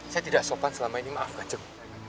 saya tidak sopan selama ini maaf kacang